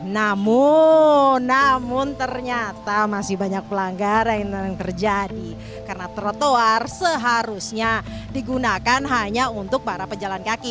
namun namun ternyata masih banyak pelanggaran yang terjadi karena trotoar seharusnya digunakan hanya untuk para pejalan kaki